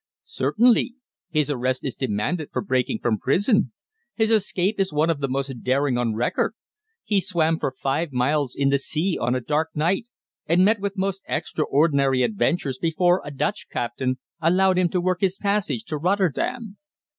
"Certainly. His arrest is demanded for breaking from prison. His escape is one of the most daring on record. He swam for five miles in the sea on a dark night, and met with most extraordinary adventures before a Dutch captain allowed him to work his passage to Rotterdam."